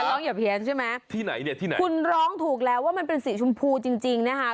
ร้องอย่าเพลงใช่ไหมคุณร้องถูกแล้วว่ามันเป็นสีชมพูจริงนะคะ